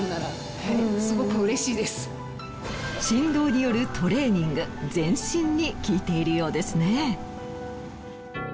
振動によるトレーニング全身に効いているようですね。